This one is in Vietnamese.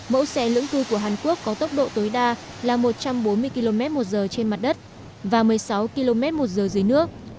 mẫu xe lưỡng cư của hàn quốc có tốc độ tối đa là một trăm bốn mươi km một giờ trên mặt đất và một mươi sáu km một giờ dưới nước